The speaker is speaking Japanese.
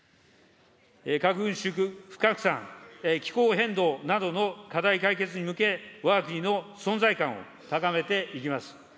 核軍縮・不拡散、気候変動などの課題解決に向け、わが国の存在感を高めていきます。